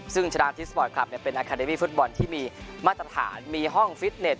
ซึ่งชนะทิสปอร์ตคลับเป็นอาคาเดมี่ฟุตบอลที่มีมาตรฐานมีห้องฟิตเน็ต